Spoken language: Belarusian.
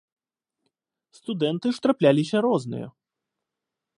Студэнты ж трапляліся розныя.